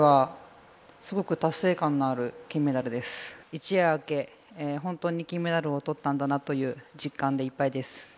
一夜明け、本当に金メダルを取ったんだなという実感でいっぱいです。